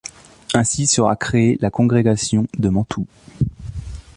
Ainsi sera créée la Congrégation de Mantoue.